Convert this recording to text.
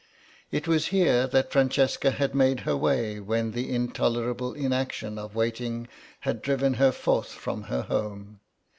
It was here that Francesca had made her way when the intolerable inaction of waiting had driven her forth from her home.